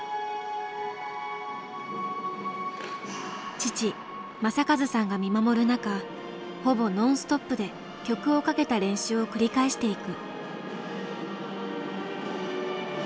父正和さんが見守る中ほぼノンストップで曲をかけた練習を繰り返していく。